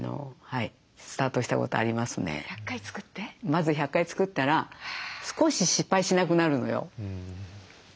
まず１００回作ったら少し失敗しなくなるのよ。